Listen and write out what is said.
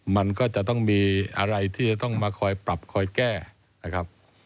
มันก็จะต้องมีอะไรที่จะต้องมาคอยปรับคอยแก้นะครับ